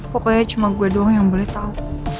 pokoknya cuma gue doang yang boleh tahu